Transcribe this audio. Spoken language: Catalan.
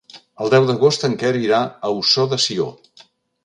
El deu d'agost en Quer irà a Ossó de Sió.